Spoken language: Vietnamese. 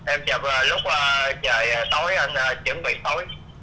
em chụp lúc trời tối anh chuẩn bị tối